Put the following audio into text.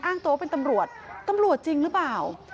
อ้างตัวว่าเป็นตำรวจตำรวจจริงหรือเปล่า